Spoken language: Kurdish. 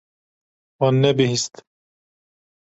Wan nebihîst.